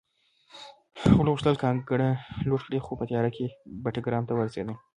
غلو غوښتل کانګړه لوټ کړي خو په تیاره کې بټګرام ته ورسېدل